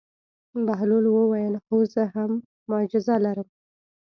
بهلول وویل: هو زه هم معجزه لرم.